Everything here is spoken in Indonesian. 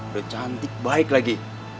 udah cantik baik lagi